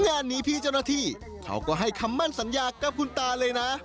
งานนี้พี่เจ้าหน้าที่เขาก็ให้คำมั่นสัญญากับคุณตาเลยนะ